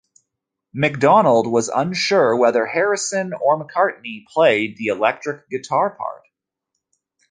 MacDonald was unsure whether Harrison or McCartney played the electric guitar part.